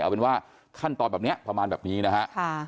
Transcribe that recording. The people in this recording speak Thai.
เอาเป็นว่าขั้นตอนแบบนี้ประมาณแบบนี้นะฮะ